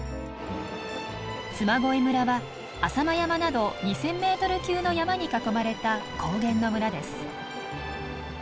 嬬恋村は浅間山など２，０００メートル級の山に囲まれた高原の村です。